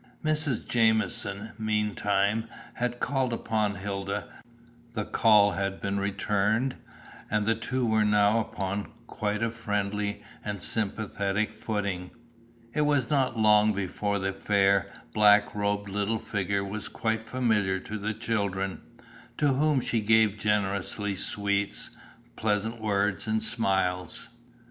Mrs. Jamieson, meantime, had called upon Hilda, the call had been returned, and the two were now upon quite a friendly and sympathetic footing; it was not long before the fair, black robed little figure was quite familiar to the children, to whom she gave generously sweets, pleasant words and smiles.